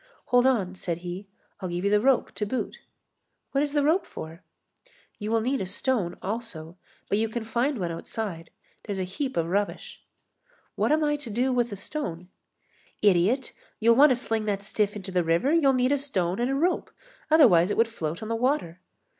"Hold on," said he, "I'll give you the rope to boot." "What is the rope for?" "You will need a stone also, but you can find one outside. There's a heap of rubbish." "What am I to do with a stone?" "Idiot, you'll want to sling that stiff into the river, you'll need a stone and a rope, otherwise it would float on the water."